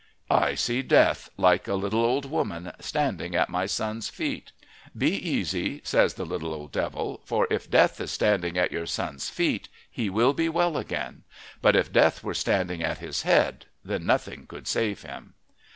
"I see Death, like a little old woman, standing at my son's feet." "Be easy," says the little old devil, "for if Death is standing at your son's feet he will be well again. But if Death were standing at his head then nothing could save him."